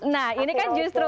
nah ini kan justru